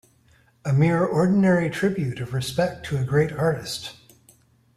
A mere ordinary tribute of respect to a great artist.